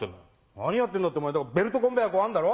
何やってんだってベルトコンベヤーあんだろ。